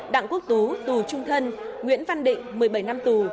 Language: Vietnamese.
đặng quốc tú tù trung thân nguyễn văn định một mươi bảy năm tù